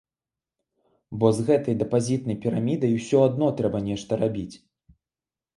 Бо з гэтай дэпазітнай пірамідай ўсё адно трэба нешта рабіць.